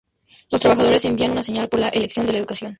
Los trabajadores envían una señal por la elección de la educación.